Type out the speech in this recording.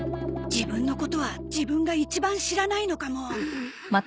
自分のことは自分が一番知らないのかも。